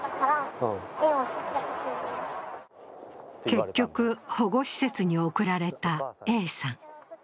結局、保護施設に送られたＡさん。